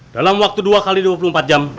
dalam waktu dua x dua puluh empat jam